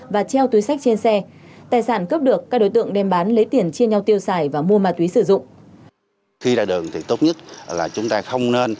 và treo túi sách trên xe tài sản cướp được các đối tượng đem bán lấy tiền chia nhau tiêu xài và mua ma túy sử dụng